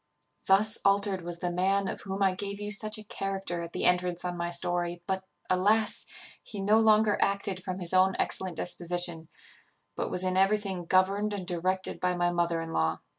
"Thus altered was the man of whom I gave you such a character at the entrance on my story; but, alas! he no longer acted from his own excellent disposition, but was in everything governed and directed by my mother in law.